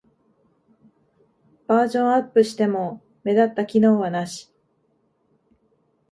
バージョンアップしても目立った機能はなし